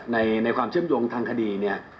ขณะที่ในความเชื่อมโยงทางคดี